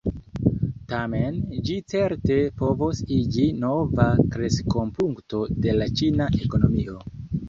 Tamen, ĝi certe povos iĝi nova kreskopunkto de la ĉina ekonomio.